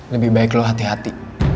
lebih baik lo hati hati